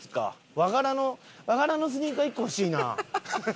和柄のスニーカー１個欲しいな。